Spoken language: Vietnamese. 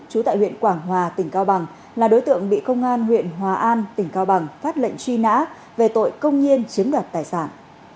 chú tại huyện quảng hòa tỉnh cao bằng là đối tượng bị công an huyện hòa an tỉnh cao bằng phát lệnh truy nã về tội công nhiên chiếm đoạt tài sản